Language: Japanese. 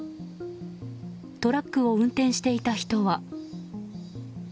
トラックを運転していた人は。